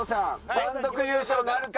単独優勝なるか？